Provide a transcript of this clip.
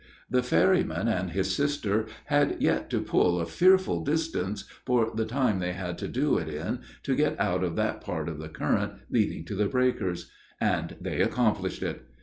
The ferryman and his sister had yet to pull a fearful distance for the time they had to do it in, to get out of that part of the current leading to the breakers: and they accomplished it.